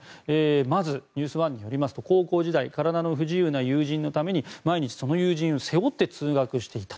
まず、ニュース１によりますと高校時代、体の不自由な友人のために毎日その友人を背負って通学していた。